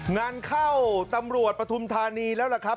งานเข้าตำรวจประธุนฐานีแล้วครับ